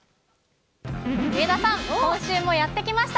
上田さん、今週もやって来ました。